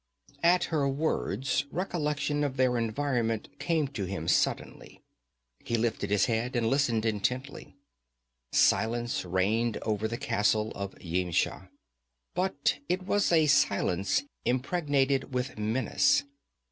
At her words recollection of their environment came to him suddenly. He lifted his head and listened intently. Silence reigned over the castle of Yimsha, but it was a silence impregnated with menace.